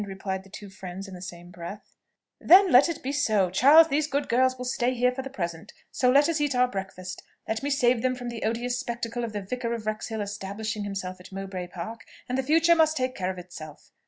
replied the two friends in the same breath. "Then so let it be. Charles, these good girls will stay here for the present; so let us eat our breakfast. Let me save them from the odious spectacle of the Vicar of Wrexhill establishing himself at Mowbray Park, and the future must take care of itself."